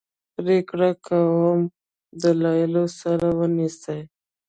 پرېکړه کوم دلایلو سره ونیسي.